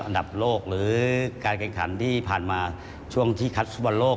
อันดับโลกหรือการแข่งขันที่ผ่านมาช่วงที่คัดฟุตบอลโลก